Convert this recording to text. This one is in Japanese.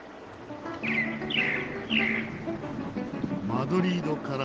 マドリードから